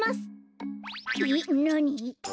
えっなに？